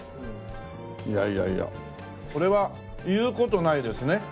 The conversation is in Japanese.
いやいやいやこれは言う事ないですね。